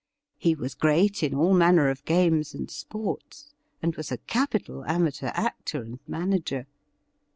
He was great in all manner of games and sports, and was a capital amateur actor and manager.